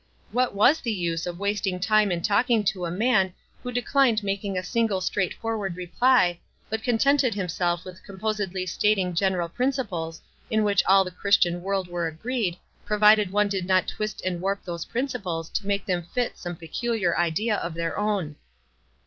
What teas the use of wasting time in talking to a man who de clined making a single straightforward reply, but contented himself with composedly stating general principles in which all the Christian world were agreed, provided one did not twist and warp those principles to make them fit some WISE AND OTHERWISE. 257 peculiar idea of their own.